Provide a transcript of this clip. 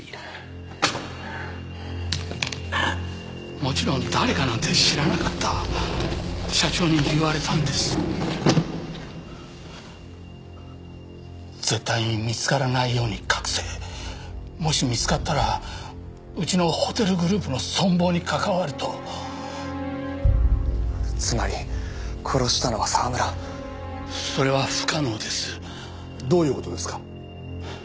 もちろん誰かなんて知らなかった社長に言われたんです「絶対に見つからないように隠せ」「もし見つかったらうちのホテルグループの存亡に関わる」とつまり殺したのは沢村それは不可能ですどういうことですか？